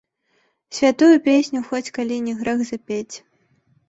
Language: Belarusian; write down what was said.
Святую песню хоць калі не грэх запець.